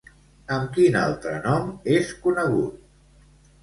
Amb quin altre nom és conegut?